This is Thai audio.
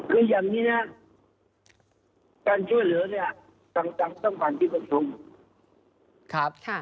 คืออย่างนี้นะการช่วยเหลือเนี่ยต่างต้องผ่านที่ประชุมครับ